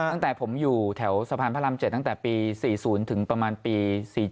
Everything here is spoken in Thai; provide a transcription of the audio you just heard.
ตั้งแต่ผมอยู่แถวสะพานพระราม๗ตั้งแต่ปี๔๐ถึงประมาณปี๔๔